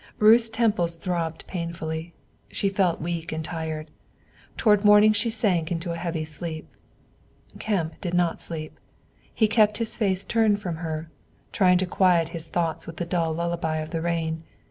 Ruth's temples throbbed painfully; she felt weak and tired; toward morning she sank into a heavy sleep. Kemp did not sleep; he kept his face turned from her, trying to quiet his thoughts with the dull lullaby of the rain.